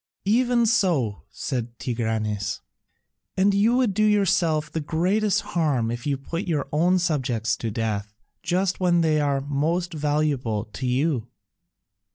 "Even so," said Tigranes, "and you will do yourself the greatest harm if you put your own subjects to death just when they are most valuable to you."